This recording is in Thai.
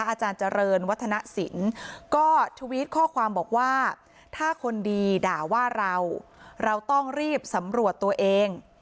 อาจารย์เจริญวัฒนศิลป์ก็ทวิตข้อความบอกว่าถ้าคนดีด่าว่าเราเราต้องรีบสำรวจตัวเอง